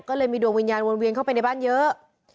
ก็เลยมีดวงวิญญาณวนเวียนเข้าไปในบ้านเยอะ